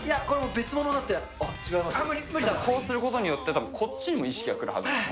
こうすることによって、こっちにも意識が来るはずです。